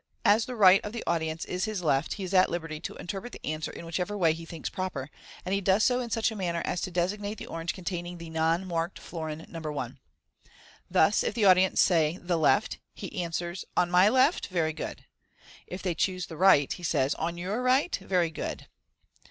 As the right of the audience is his left, he is at liberty to interpret the answer in whichever way he thinks proper, and he does so in such manner as to designate the orange containing the non marked florin, No. 1. Thus, if the audience say "the left,'* he answers, "On my left? Very good !" If they choose " the right," he says, " On your right ? Very good